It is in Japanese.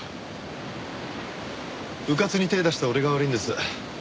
迂闊に手出した俺が悪いんです。